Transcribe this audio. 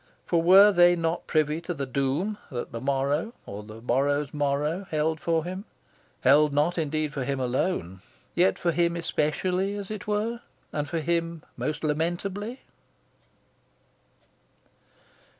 For were they not privy to the doom that the morrow, or the morrow's morrow, held for him held not indeed for him alone, yet for him especially, as it were, and for him most lamentably?